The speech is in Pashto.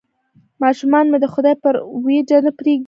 ماشومان مې د خدای پر اوېجه نه پرېږدي.